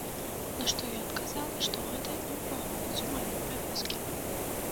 На што я адказала, што гэта не ўваходзіць у мае абавязкі.